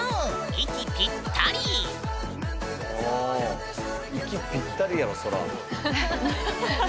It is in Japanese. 息ぴったりやわそら。